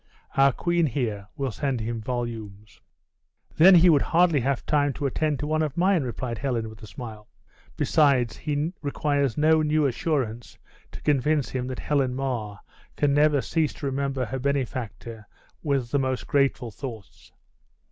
Our queen here will send him volumes." "Then he would hardly have time to attend to one of mine," replied Helen, with a smile. "Besides, he requires no new assurance to convince him that Helen Mar can never cease to remember her benefactor with the most grateful thoughts."